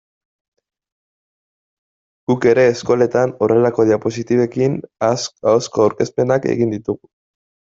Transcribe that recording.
Guk ere gure eskoletan horrelako diapositibekin ahozko aurkezpenak egin ditugu.